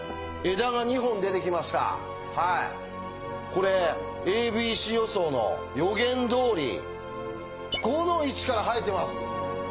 これ「ａｂｃ予想」の予言どおり５の位置から生えてます。